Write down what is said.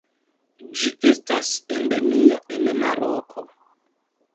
Ĝi estas endemia en Maroko.